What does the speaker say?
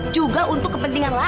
juga untuk kepentingan lara